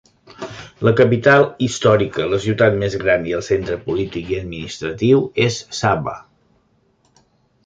La capital històrica, la ciutat més gran i el centre polític i administratiu és Sabha.